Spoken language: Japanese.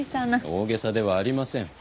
大げさではありません。